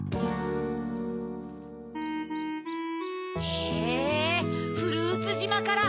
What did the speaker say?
・へぇフルーツじまから。